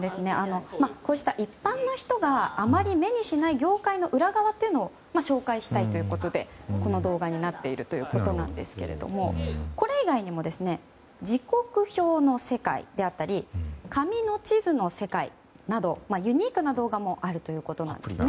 こうした一般の人があまり目にしない業界の裏側というのを紹介したいということでこの動画になっているということなんですけどもこれ以外にも「時刻表の世界」であったり「紙の地図の世界」などユニークな動画もあるということです。